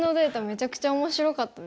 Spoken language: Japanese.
めちゃくちゃ面白かったですね。